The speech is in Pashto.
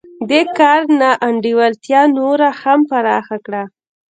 دې کار نا انډولتیا نوره هم پراخه کړه